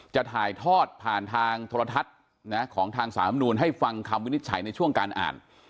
จะถ่ายทอดผ่านทางโทรทัศน์ของทางสามนูลให้ฟังคำวินิจฉัยในช่วงการอ่าน